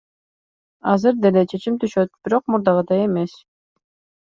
Азыр деле чачым түшөт, бирок мурдагыдай эмес.